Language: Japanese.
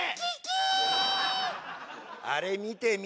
あれ見てみ。